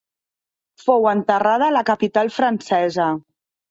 Fou enterrada a la capital francesa.